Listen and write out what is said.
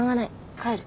帰る。